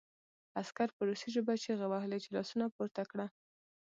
عسکر په روسي ژبه چیغې وهلې چې لاسونه پورته کړه